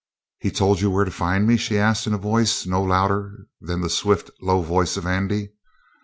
"He told you where to find me?" she asked in a voice no louder than the swift, low voice of Andy.